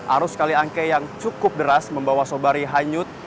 arus kali angke yang cukup deras membawa sobari hanyut